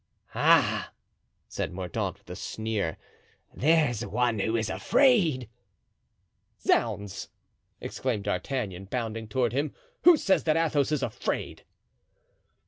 "Ah!" said Mordaunt, with a sneer, "there's one who is afraid." "Zounds!" exclaimed D'Artagnan, bounding toward him, "who says that Athos is afraid?"